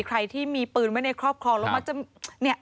ใครที่มีปืนไว้ในครอบครองลงมาจะ